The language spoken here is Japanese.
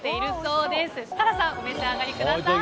設楽さん、お召し上がりください。